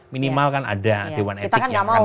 minimal kan ada dewan etik yang akan